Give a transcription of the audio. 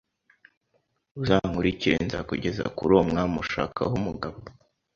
uzankurikire nzakugeza kuri uwo mwami ushakaho umugabo